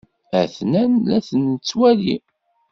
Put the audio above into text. A-ten-an la ten-nettwali.